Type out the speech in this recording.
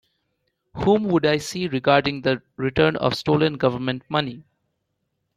Whom would I see regarding the return of stolen Government money?